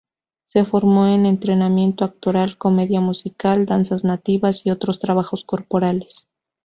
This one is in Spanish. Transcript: Se formó en entrenamiento actoral, comedia musical, danzas nativas y otros trabajos corporales.